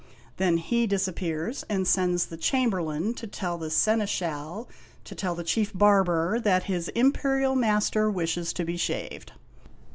Then he disappears and sends the Chamberlain to tell the Seneschal to tell the Chief Barber that his Imperial Master wishes to be shaved.